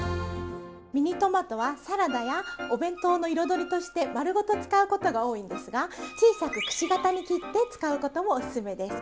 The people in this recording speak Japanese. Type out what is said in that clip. ミニトマトはサラダやお弁当の彩りとして丸ごと使うことが多いんですが小さくくし形に切って使うこともおすすめです。